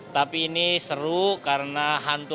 tapi ini seru karena hantu